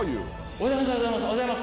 おはようございます。